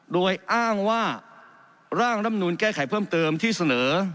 โดยอ้างว่าร่างรำนูนแก้ไขเพิ่มเติมที่เสนอ